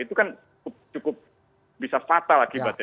itu kan cukup bisa fatal akibatnya